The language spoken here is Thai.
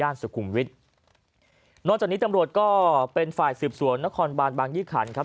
สุขุมวิทย์นอกจากนี้ตำรวจก็เป็นฝ่ายสืบสวนนครบานบางยี่ขันครับ